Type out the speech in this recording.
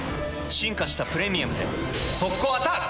進化した「プレミアム」で速攻アタック！